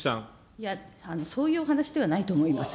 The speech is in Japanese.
いや、そういうお話ではないと思います。